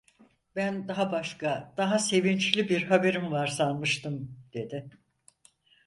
"Ben daha başka, daha sevinçli bir haberin var sanmıştım!" dedi.